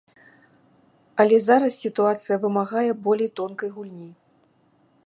Але зараз сітуацыя вымагае болей тонкай гульні.